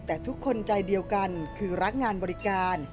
แต่ทุกคนใจเดียวกันคือรักงานบริการ